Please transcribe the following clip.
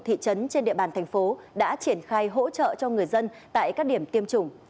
thị trấn trên địa bàn thành phố đã triển khai hỗ trợ cho người dân tại các điểm tiêm chủng